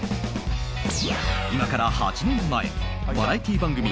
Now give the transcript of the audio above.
今から８年前、バラエティー番組